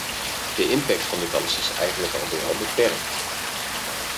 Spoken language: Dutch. De impact van dit alles is eigenlijk al bij al beperkt.